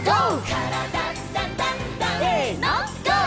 「からだダンダンダン」せのＧＯ！